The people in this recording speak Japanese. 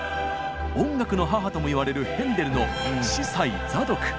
「音楽の母」ともいわれるヘンデルの「司祭ザドク」。